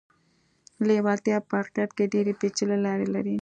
لېوالتیا په حقيقت کې ډېرې پېچلې لارې لري.